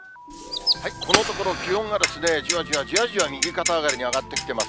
このところ、気温がじわじわじわじわ右肩上がりに上がってきてます。